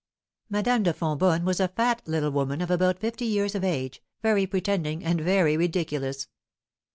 Madame de Fonbonne was a fat little woman, of about fifty years of age, very pretending, and very ridiculous.